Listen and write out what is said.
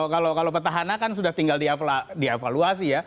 kalau petahana kan sudah tinggal diavaluasi